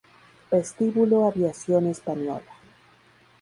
Vestíbulo Aviación Española